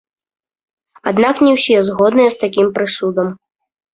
Аднак не ўсе згодныя з такім прысудам.